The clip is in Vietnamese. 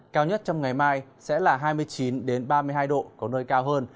cao nhất trong ngày mai sẽ là hai mươi chín ba mươi hai độ có nơi cao hơn